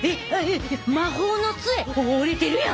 魔法のつえお折れてるやん。